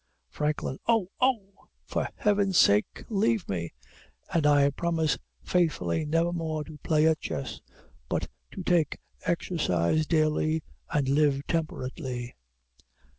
FRANKLIN. Oh! oh! for Heaven's sake leave me! and I promise faithfully never more to play at chess, but to take exercise daily, and live temperately.